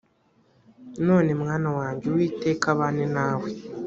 none mwana wanjye uwiteka abane nawe